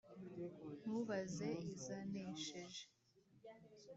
Ntubaze izanesheje,